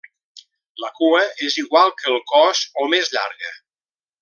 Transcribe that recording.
La cua és igual que el cos o més llarga.